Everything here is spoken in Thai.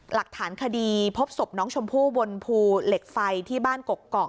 หลักฐานคดีพบศพน้องชมพู่บนภูเหล็กไฟที่บ้านกกอก